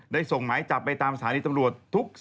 ได้ส่งหมายจับไปตามสถานีตำรวจทุกสภพของทางภาค๔